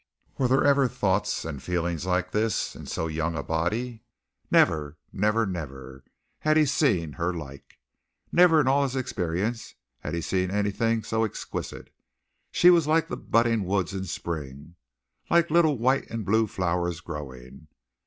Were there ever thoughts and feelings like these in so young a body? Never, never, never, had he seen her like. Never in all his experiences had he seen anything so exquisite. She was like the budding woods in spring, like little white and blue flowers growing.